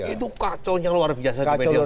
itu kacau yang luar biasa